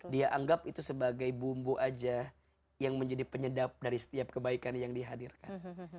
dia anggap itu sebagai bumbu aja yang menjadi penyedap dari setiap kebaikan yang dihadirkan